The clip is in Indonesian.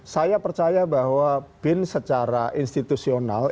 saya percaya bahwa bin secara institusional